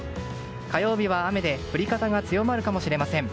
火曜日は雨で降り方が強まるかもしれません。